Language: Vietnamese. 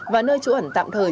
và nơi chủ ẩn tạm thời